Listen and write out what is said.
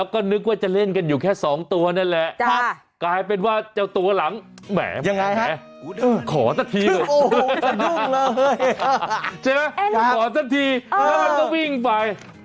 ขอสักทีเลยแล้วมันก็วิ่งไป